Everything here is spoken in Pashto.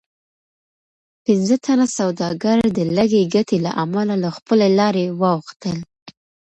پنځه تنه سوداګر د لږې ګټې له امله له خپلې لارې واوښتل.